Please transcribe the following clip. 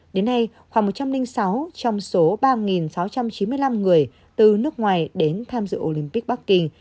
đến nay khoảng một trăm linh sáu trong số ba sáu trăm chín mươi năm người từ nước ngoài đến tham dự olympic bắc kinh